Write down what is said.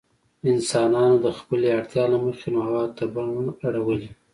انسانانو د خپلې اړتیا له مخې موادو ته بڼه اړولې.